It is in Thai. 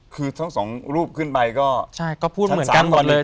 คือทั้งสองรูปขึ้นไปก็ใช่ก็พูดเหมือนกันหมดเลย